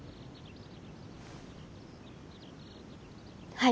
はい。